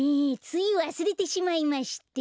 ついわすれてしまいまして。